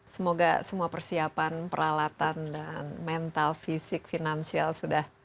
semoga semua persiapan peralatan dan mental fisik finansial sudah